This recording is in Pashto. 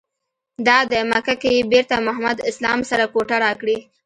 دادی مکه کې یې بېرته محمد اسلام سره کوټه راکړې.